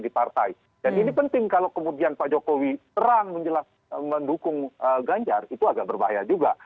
dan ini penting kalau kemudian pak jokowi terang menjelang mendukung ganjar itu agak berbahaya juga